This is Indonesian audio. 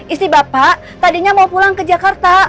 istri bapak tadinya mau pulang ke jakarta